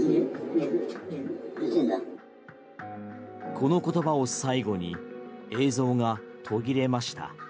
この言葉を最後に映像が途切れました。